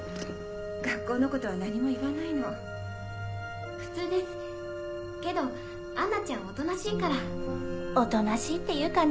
・・学校のことは何も言わないの・・普通ですけど杏奈ちゃんおとなしいから・おとなしいっていうかね。